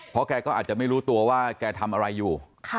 เพราะแกก็อาจจะไม่รู้ตัวว่าแกทำอะไรอยู่